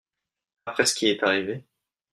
Après ce qui est arrivé …